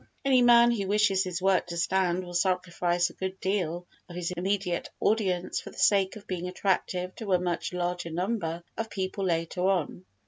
Any man who wishes his work to stand will sacrifice a good deal of his immediate audience for the sake of being attractive to a much larger number of people later on.